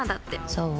そう？